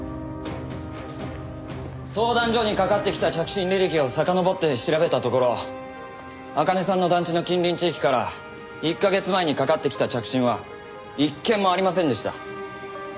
相談所にかかってきた着信履歴をさかのぼって調べたところ茜さんの団地の近隣地域から１カ月前にかかってきた着信は１件もありませんでした。